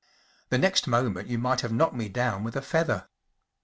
The next moment you might have knocked me down with a feather.